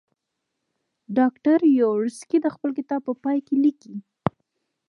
ډاکټر یاورسکي د خپل کتاب په پای کې لیکي.